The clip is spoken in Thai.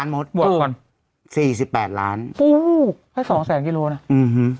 มุ่งไป๒แสนกิโลบวกก่อนโอ้โฮให้๒แสนกิโลนะอือฮือ